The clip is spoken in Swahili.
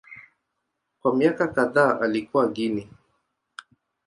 Kwa miaka kadhaa alikaa Guinea.